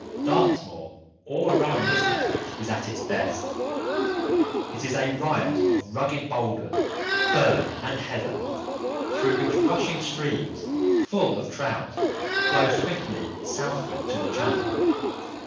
Dartmoor all around this district is at its best. It is a riot of rugged boulder, fern, and heather, through which rushing streams, full of trout, flow swiftly southward to the Channel.